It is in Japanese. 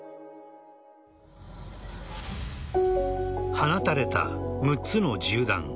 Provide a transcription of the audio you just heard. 放たれた６つの銃弾。